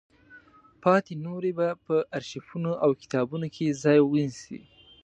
پاتې نورې به په ارشیفونو او کتابونو کې ځای ونیسي.